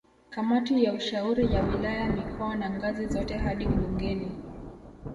Kamati ya ushauri ya wilaya mikoa na ngazi zote hadi bungeni